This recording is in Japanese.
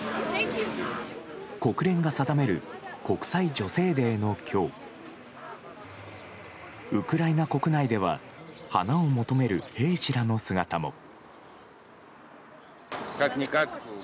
国連が定める国際女性デーの今日ウクライナ国内では花を求める兵士らの姿も。